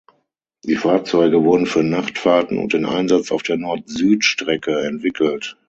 Die Fahrzeuge wurden für Nachtfahrten und den Einsatz auf der Nord-Süd-Strecke entwickelt.